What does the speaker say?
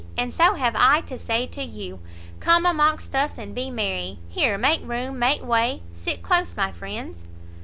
and so have I to say to you! Come amongst us and be merry! Here, make room, make way! Sit close, my friends!"